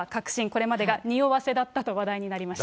これまでがにおわせだったと話題になりました。